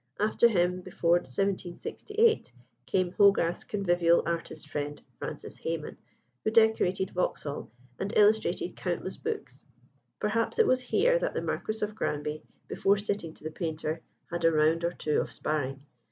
After him, before 1768, came Hogarth's convivial artist friend, Francis Hayman, who decorated Vauxhall and illustrated countless books. Perhaps it was here that the Marquis of Granby, before sitting to the painter, had a round or two of sparring.